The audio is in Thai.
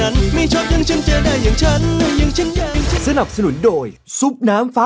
น้องสายฝนอย่าอย่าอย่าอย่า